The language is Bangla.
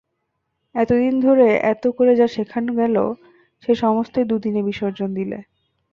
এত দিন ধরে এত করে যা শেখানো গেল সে সমস্তই দু দিনে বিসর্জন দিলে।